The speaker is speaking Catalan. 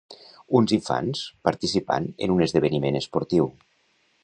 Uns infants participant en un esdeveniment esportiu.